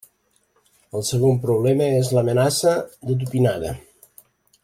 El segon problema és l'amenaça de tupinada.